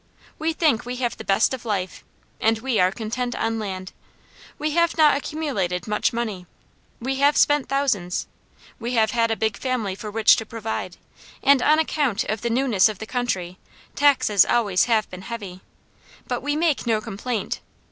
We think we have the best of life, and we are content on land. We have not accumulated much money; we have spent thousands; we have had a big family for which to provide, and on account of the newness of the country, taxes always have been heavy. But we make no complaint.